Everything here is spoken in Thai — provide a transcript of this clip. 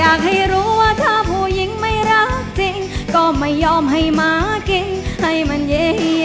รักจริงก็ไม่ยอมให้มากินให้มันเย้